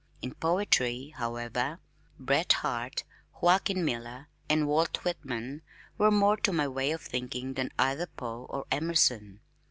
In poetry, however, Bret Harte, Joaquin Miller, and Walt Whitman were more to my way of thinking than either Poe or Emerson.